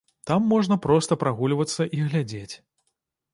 Там можна проста прагульвацца і глядзець.